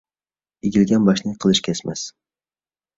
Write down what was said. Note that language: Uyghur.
ئېگىلگەن باشنى قېلىچ كەسمەس.